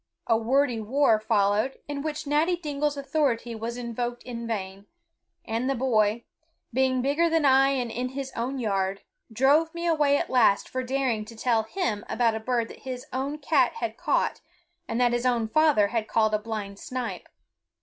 A wordy war followed, in which Natty Dingle's authority was invoked in vain; and the boy, being bigger than I and in his own yard, drove me away at last for daring to tell him about a bird that his own cat had caught and that his own father had called a blind snipe.